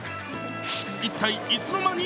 一体、いつの間に？